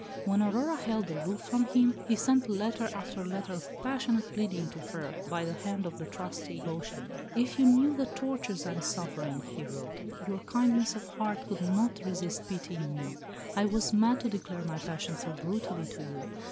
When Aurora held aloof from him, he sent letter after letter of passionate pleading to her by the hand of the trusty Beuchling. "If you knew the tortures I am suffering," he wrote, "your kindness of heart could not resist pitying me. I was mad to declare my passion so brutally to you.